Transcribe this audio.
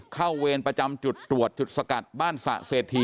กาวเวรประจำจุดตรวจจุดสกัดบ้านสา๑